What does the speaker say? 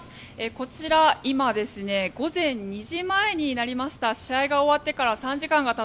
こちら今、午前２時前になりました。